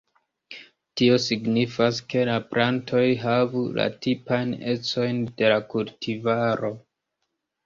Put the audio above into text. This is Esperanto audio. Tio signifas, ke la plantoj havu la tipajn ecojn de la kultivaro.